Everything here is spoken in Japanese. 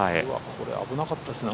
これ、危なかったですね。